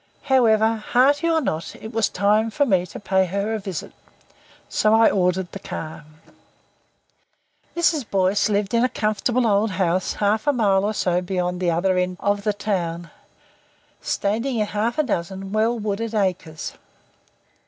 However, hearty or not, it was time for me to pay her a visit. So I ordered the car. Mrs. Boyce lived in a comfortable old house half a mile or so beyond the other end of the town, standing in half a dozen well wooded acres.